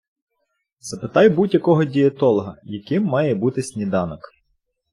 Запитайте будь-якого дієтолога: «Яким має бути сніданок?»